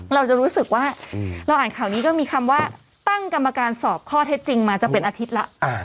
เราจะรู้สึกว่าเราอ่านข่าวนี้ก็มีคำว่าตั้งกรรมการสอบข้อเท็จจริงมาจะเป็นอาทิตย์แล้ว